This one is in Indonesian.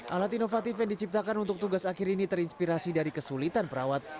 alat inovatif yang diciptakan untuk tugas akhir ini terinspirasi dari kesulitan perawat